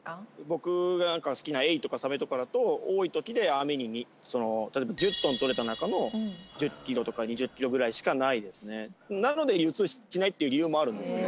僕が好きなエイとかサメとかだと多いときで例えば１０トン取れた中の１０キロとか２０キロぐらいしかないですねなので流通しないっていう理由もあるんですね